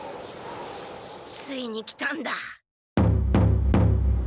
ついに来たんだ。